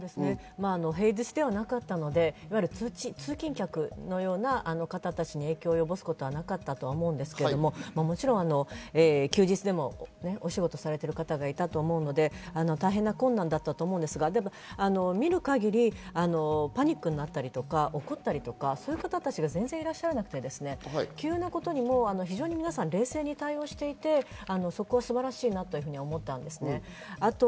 平日ではなかったので通勤客のような方たちの影響に及ぼすことはなかったと思うんですけど、もちろん休日でも、お仕事されてる方がいたと思うので、大変な困難だったと思うんですが、見る限りパニックになったりとか怒ったりとか、そういう方たちが全然いらっしゃらなくて、急なことにも非常に皆さん冷静に対応していて、素晴らしいなと思ったんです。